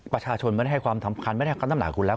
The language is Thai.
ประชาชนไม่ได้ให้ความสำคัญไม่ได้ให้คำน้ำหนักคุณแล้ว